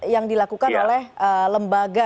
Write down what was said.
yang dilakukan oleh lembaga